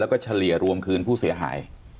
แล้วก็เฉลี่ยรวมคืนผู้เสียหาย